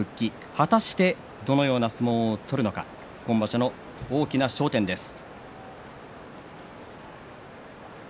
果たして、どのような相撲を取るのか今場所の大きな焦点です。